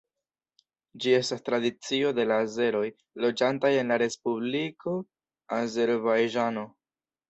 Ĝi estas tradicio de la azeroj loĝantaj en la Respubliko Azerbajĝano.